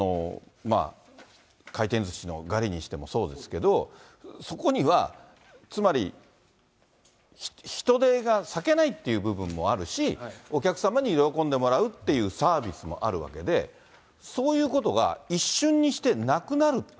回転ずしのガリにしてもそうですけど、そこには、つまり、人手が割けないっていう部分もあるし、お客様に喜んでもらうというサービスもあるわけで、そういうことが一瞬にしてなくなるって